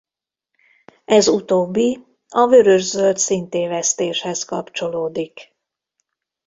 Ez utóbbi a vörös-zöld színtévesztéshez kapcsolódik.